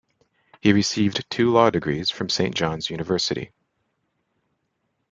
He received two law degrees from Saint John's University.